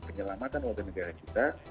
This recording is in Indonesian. penyelamatan warga negara kita